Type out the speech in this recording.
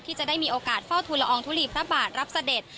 ที่จะได้มีโอกาสเฝ้าทุลอองทุลีพระบาทรับเสด็จ